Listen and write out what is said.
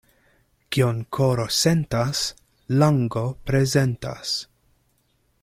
Kion koro sentas, lango prezentas.